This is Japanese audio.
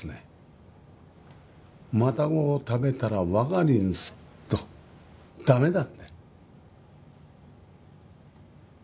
マタゴを食べたらわがりんすと駄目だって。